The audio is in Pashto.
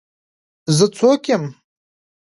زه څوک یم.